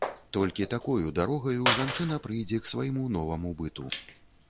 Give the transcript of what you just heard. Толькі такою дарогаю жанчына прыйдзе к свайму новаму быту.